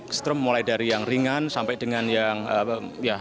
kesetrum mulai dari yang ringan sampai dengan yang ya